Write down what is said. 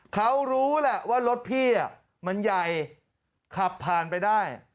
เขารู้แหละว่ารถพี่มันใหญ่ขับผ่านไปได้